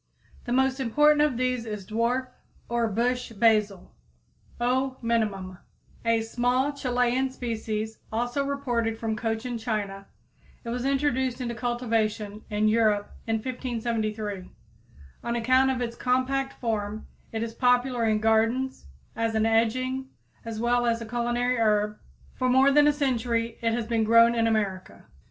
The most important of these is dwarf or bush basil (O. minimum, Linn.), a small Chilian species also reported from Cochin China. It was introduced into cultivation in Europe in 1573. On account of its compact form it is popular in gardens as an edging as well as a culinary herb, for more than a century it has been grown in America.